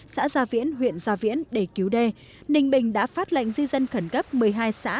xã sa viễn huyện sa viễn để cứu đê ninh bình đã phát lệnh di dân khẩn gấp một mươi hai xã